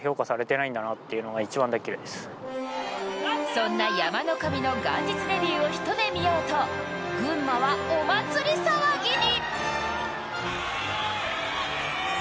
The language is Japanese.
そんな山の神の元日デビューを一目見ようと、群馬はお祭り騒ぎに。